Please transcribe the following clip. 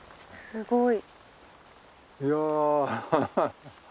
すごい。